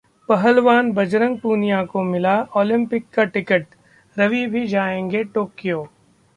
पहलवान बजरंग पूनिया को मिला ओलंपिक का टिकट, रवि भी जाएंगे टोक्यो